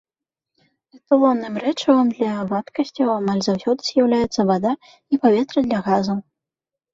Эталонным рэчывам для вадкасцяў амаль заўсёды з'яўляецца вада і паветра для газаў.